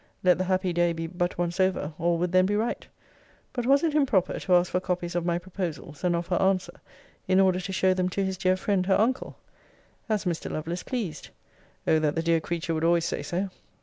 Let the happy day be but once over, all would then be right. But was it improper to ask for copies of my proposals, and of her answer, in order to show them to his dear friend, her uncle? As Mr. Lovelace pleased. O that the dear creature would always say so!